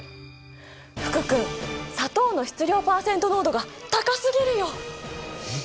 福君砂糖の質量パーセント濃度が高すぎるよ。